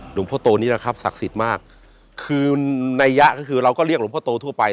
หลวงพ่อโตนี่แหละครับศักดิ์สิทธิมากคือระยะเรียกหลวงพ่อโตทั่วไป